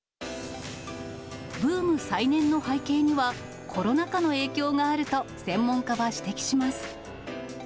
ブーム再燃の背景には、コロナ禍の影響があると、専門家は指摘します。